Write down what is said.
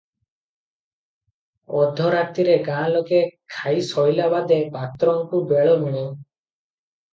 ଅଧ ରାତିରେ ଗାଁ ଲୋକେ ଖାଇ ଶୋଇଲା ବାଦେ ପାତ୍ରଙ୍କୁ ବେଳ ମିଳେ ।